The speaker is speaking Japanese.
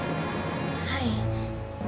はい。